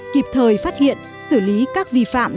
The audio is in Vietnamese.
kịp thời phát hiện xử lý các vi phạm